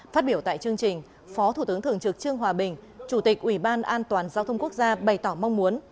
phát biểu tại chương trình phó thủ tướng thường trực trương hòa bình chủ tịch ủy ban an toàn giao thông quốc gia bày tỏ mong muốn